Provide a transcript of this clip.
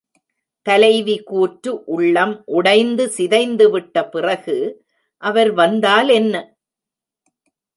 தலைவி கூற்று உள்ளம் உடைந்து சிதைந்துவிட்ட பிறகு அவர் வந்தால் என்ன?